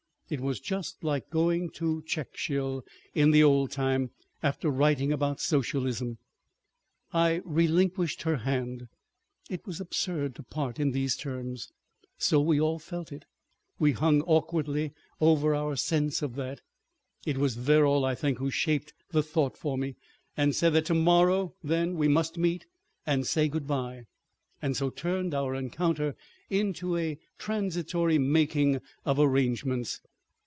It was just like going to Checkshill in the old time, after writing about socialism. ... I relinquished her hand. It was absurd to part in these terms. So we all felt it. We hung awkwardly over our sense of that. It was Verrall, I think, who shaped the thought for me, and said that to morrow then we must meet and say good bye, and so turned our encounter into a transitory making of arrangements.